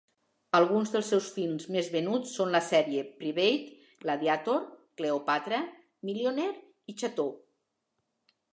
Alguns dels seus films més venuts són la sèrie "Private Gladiator", "Cleopatra", "Millionaire" i "Chateau".